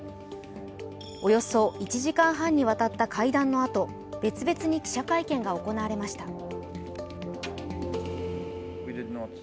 およそ１時間半にわたった会談のあと別々に記者会見が行われました。